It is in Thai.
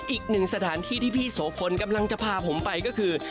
อีกหนึ่งสถานที่ที่พี่โสพลกำลังจะพาผมไปก็คือ